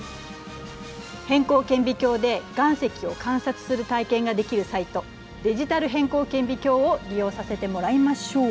偏光顕微鏡で岩石を観察する体験ができるサイト「デジタル偏光顕微鏡」を利用させてもらいましょう。